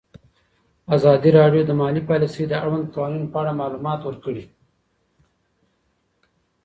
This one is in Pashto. ازادي راډیو د مالي پالیسي د اړونده قوانینو په اړه معلومات ورکړي.